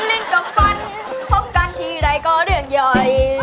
เล่นกับฝันพบกันทีไรก็เรื่องใหญ่